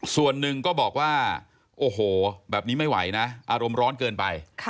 ส่วนหนึ่งก็บอกว่าโอ้โหแบบนี้ไม่ไหวนะอารมณ์ร้อนเกินไป